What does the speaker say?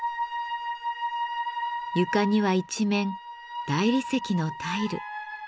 床には一面大理石のタイル。